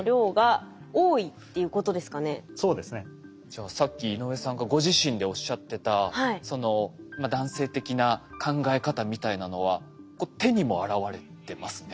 じゃあさっき井上さんがご自身でおっしゃってたその男性的な考え方みたいなのは手にも現れてますね。